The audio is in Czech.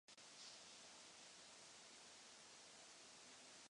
Nad křížem modrý vinný hrozen se třemi zelenými listy.